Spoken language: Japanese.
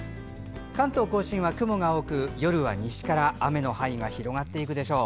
関東・甲信は雲が多く夜は西から雨の範囲が広がるでしょう。